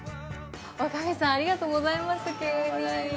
女将さんありがとうございます急に。